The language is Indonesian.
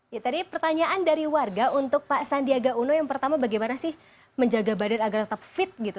ya tadi pertanyaan dari warga untuk pak sandiaga uno yang pertama bagaimana sih menjaga badan agar tetap fit gitu